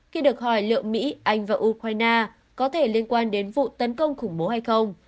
khi được hỏi liệu mỹ anh và ukraine có thể liên quan đến vụ tấn công khủng bố hay không